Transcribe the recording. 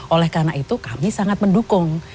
oleh karena itu kami sangat mendukung